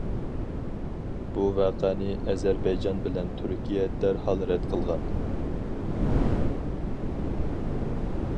بۇ ۋەقەنى ئەزەربەيجان بىلەن تۈركىيە دەرھال رەت قىلغان .